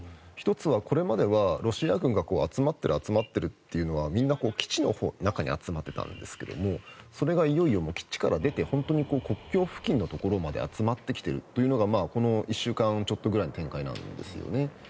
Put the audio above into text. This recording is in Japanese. １つはこれまでは、ロシア軍が集まっているというのはみんな基地の中に集まってたんですがそれがいよいよ基地から出て本当に国境付近のところまで集まってきているというのがこの１週間ちょっとくらいの展開なんですよね。